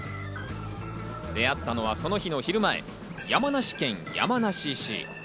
出会ったのはその日の昼前、山梨県山梨市。